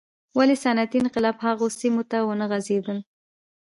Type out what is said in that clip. ولې صنعتي انقلاب هغو سیمو ته ونه غځېدل.